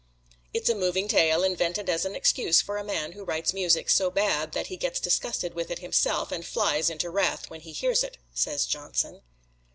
"It's a moving tale, invented as an excuse for a man who writes music so bad that he gets disgusted with it himself, and flies into wrath when he hears it," says Johnson.